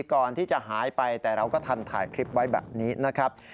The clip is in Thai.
ก่อนที่จะหายไปแต่เราก็ทันถ่ายคลิปไว้แบบนี้นะครับ